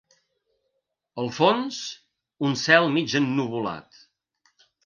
Al fons, un cel mig ennuvolat.